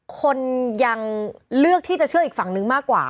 คนยังเลือกที่จะเชื่ออีกฝั่งนึงมากกว่า